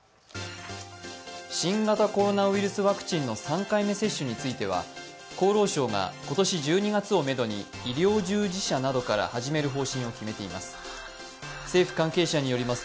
新型コロナウイルスワクチンの３回目接種については厚労省が今年１２月をめどに医療従事者などから始める方針を決めています。